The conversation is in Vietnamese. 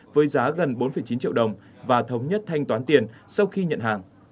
với giá gần bốn chín triệu đồng và thống nhất thanh toán tiền sau khi nhận hàng